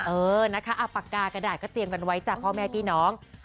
เออนะคะปากกากระดาษก็เตรียมกันไว้จ้ะพ่อแม่พี่น้อง